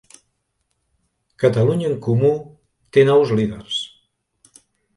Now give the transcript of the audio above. Catalunya en comú té nous líders